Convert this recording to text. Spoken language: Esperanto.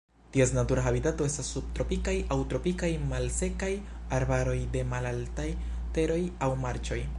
Ties natura habitato estas subtropikaj aŭ tropikaj malsekaj arbaroj de malaltaj teroj aŭ marĉoj.